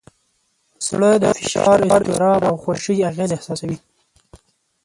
زړه د فشار، اضطراب، او خوښۍ اغېز احساسوي.